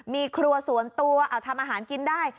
มีครัวส่วนตัวเอาทำอาหารกินได้